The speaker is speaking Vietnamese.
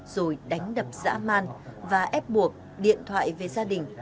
rồi đánh đập dã man và ép buộc điện thoại về gia đình